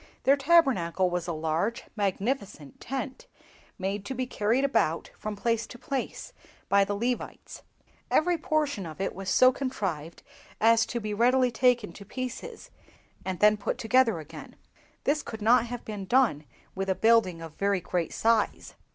Their Tabernacle was a large, magnificent tent, made to be carried about from place to place by the Levites. Every portion of it was so contrived as to be readily taken to pieces, and then put together again. This could not have been done with a building of very great size."